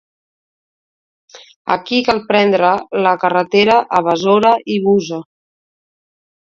Aquí cal prendre la carretera a Besora i Busa.